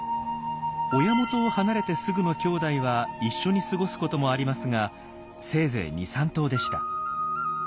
親元を離れてすぐの兄弟は一緒に過ごすこともありますがせいぜい２３頭でした。